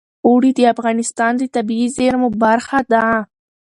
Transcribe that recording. اوړي د افغانستان د طبیعي زیرمو برخه ده.